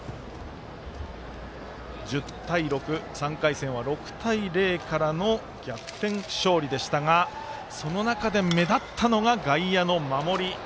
１０対６、３回戦は６対０からの逆転勝利でしたがその中で目立ったのが外野の守り。